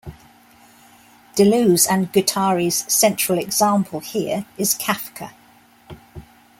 Deleuze and Guattari's central example here is Kafka.